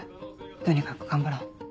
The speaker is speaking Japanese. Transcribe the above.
とにかく頑張ろう。